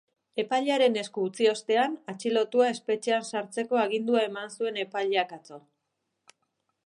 Epailearen esku utzi ostean, atxilotua espetxean sartzeko agindua eman zuen epaileak atzo.